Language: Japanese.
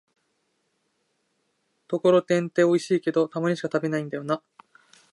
ところてんっておいしいけど、たまにしか食べないんだよなぁ